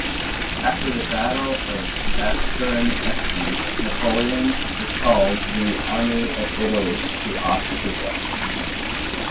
After the Battle of Aspern-Essling, Napoleon recalled the Army of Italy to Austria.